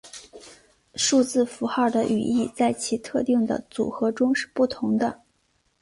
数字符号的语义在其特定的组合中是不同的。